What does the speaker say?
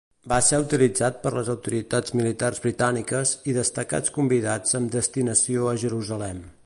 Va ser utilitzat per les autoritats militars britàniques i destacats convidats amb destinació a Jerusalem.